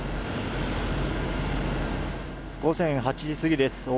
午前８時過ぎです。